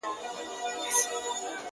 موږكانو ته معلوم د پيشو زور وو؛